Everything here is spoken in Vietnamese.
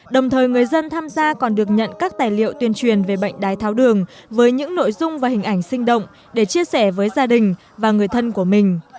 đồng thời người dân tham gia còn được nhận các tài liệu tuyên truyền về bệnh đái tháo đường với những nội dung và hình ảnh sinh động để chia sẻ với gia đình và người thân của mình